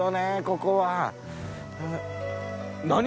ここは。何？